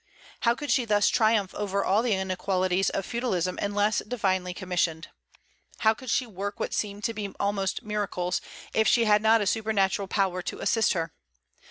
How could she thus triumph over all the inequalities of feudalism unless divinely commissioned? How could she work what seemed to be almost miracles if she had not a supernatural power to assist her?